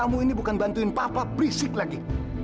kamu ini bukan membantu saya berbicara lagi